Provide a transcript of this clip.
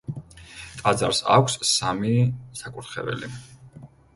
ტაძარს აქვს სამი საკურთხეველი.